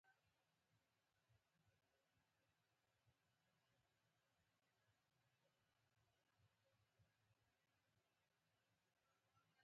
د کامیابۍ او ځلا لپاره د الله رضا ته تل ژمن پاتې کېدل.